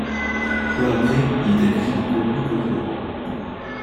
Peu après, il est accusé de complot contre le roi.